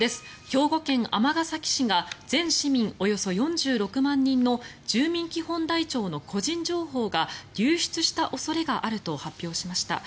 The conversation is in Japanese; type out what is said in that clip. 兵庫県尼崎市が全市民およそ４６万人の住民基本台帳の個人情報が流出した恐れがあると発表しました。